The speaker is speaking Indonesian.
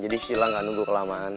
jadi sila gak nunggu kelamaan